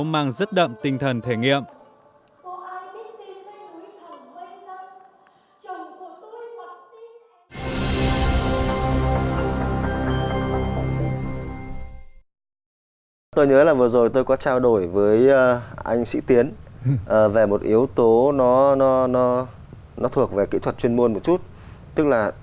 mang rất đậm tinh thần thật